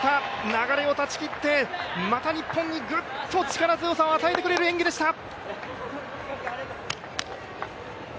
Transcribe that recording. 流れを断ち切ってまた日本にグッと力強さを与えてくれる演技でした。